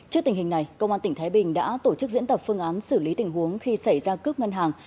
trước tình hình này công an tỉnh thái bình đã tổ chức diễn tập phương án xử lý tình huống khi xảy ra cướp ngân hàng